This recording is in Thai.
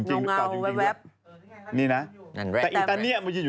ให้เกิดอุบัติเหตุ